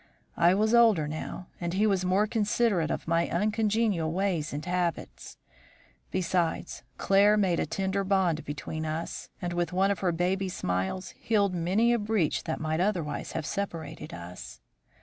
I was older now, and he more considerate of my many uncongenial ways and habits; besides, Claire made a tender bond between us, and with one of her baby smiles healed many a breach that might otherwise have separated us.